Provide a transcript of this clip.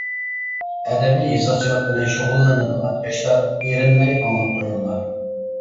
ئەدەبىي يېزىقچىلىق بىلەن شۇغۇللىنىدىغان ياشلار ئېرىنمەي ئاڭلاپ قويۇڭلار.